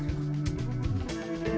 keberagaman suku ras agama